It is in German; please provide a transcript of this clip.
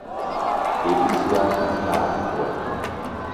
Lebensjahr in Klagenfurt.